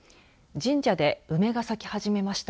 神社で梅が咲き始めました。